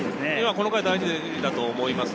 この回が大事だと思います。